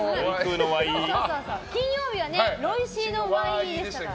金曜日はロイシーのワイイーでしたから。